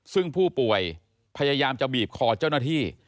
ซึ่งผู้ป่วยพยายามจะบีบคอเจ้าหน้าที่